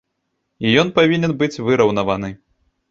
І ён павінен быць выраўнаваны.